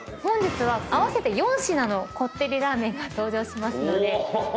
本日は合わせて４品のこってりラーメンが登場しますので。